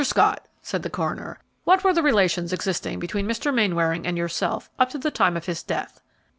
Scott," said the coroner, "what were the relations existing between Mr. Mainwaring and yourself up to the time of his death?"